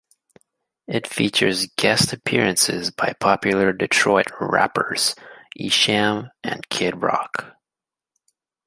It features guest appearances by popular Detroit rappers Esham and Kid Rock.